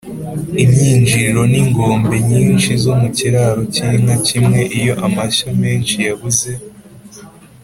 Imyinjiro ni ingombe nyinshi zo mu kiraro cy'inka kimwe Iyo amashyo menshi yabuze